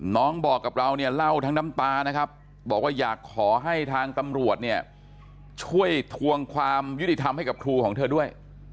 น้องบอกกับเราเนี่ยเล่าทั้งน้ำตานะครับบอกว่าอยากขอให้ทางตำรวจเนี่ยช่วยทวงความยุติธรรมให้กับครูของเธอด้วย